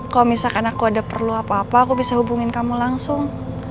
kalau misalkan aku ada perlu apa apa aku bisa hubungin kamu langsung